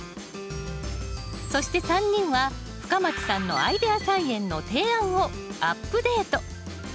そして３人は深町さんのアイデア菜園の提案をアップデート。